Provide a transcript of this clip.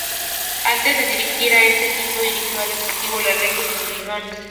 Antes de dirigir a este equipo dirigió al Deportivo Laferrere y a Comunicaciones.